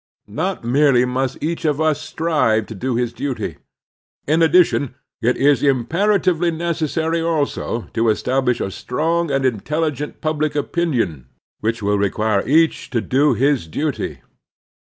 Not merely must each of us strive to do his duty; in addition it is impera tively necessary also to establish a strong and intelligent public opinion which will require each to do his duty.